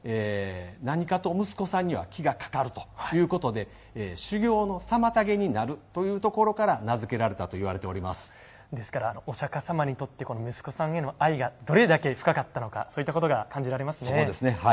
何かと息子さんには気がかかるということで修行の妨げになるというところからお釈迦様にとってこの息子さんへの愛がどれだけ深かったのかそういったことが感じられますね。